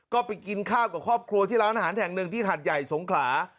ก็ไปกินข้าวกับครอบครัวที่ร้านอาหารแห่งหนึ่งที่หัดใหญ่สงขลา